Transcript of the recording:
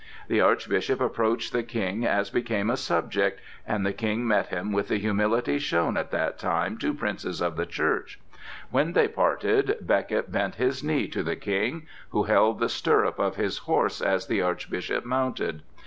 The Archbishop approached the King as became a subject, and the King met him with the humility shown at that time to princes of the Church; when they parted, Becket bent his knee to the King, who held the stirrup of his horse as the Archbishop mounted.